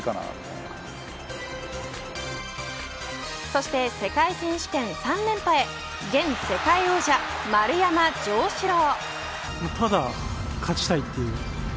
そして世界選手権３連覇へ現世界王者、丸山城志郎。